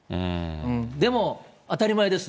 でも、当たり前です。